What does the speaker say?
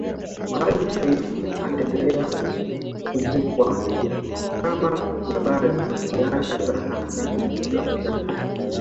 Maalim Self ataendelea kukumbukwa kama jabali wa siasa za harakati visiwani Zanzibari